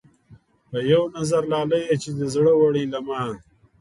پۀ يو نظر لاليه چې دې زړۀ وړے له ما